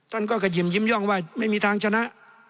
ท่านก็ขยิมยิ้มย่องว่าไม่มีทางชนะ